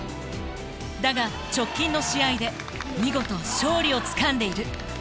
だが直近の試合で見事勝利をつかんでいる。